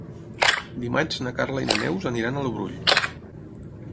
Dimarts na Carla i na Neus aniran al Brull.